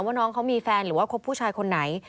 ว่าน้องเขามีแฟนหรือว่าคบผู้ชายคนไหน